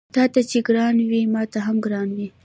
تاته چې ګران وي ماته هم ګران وي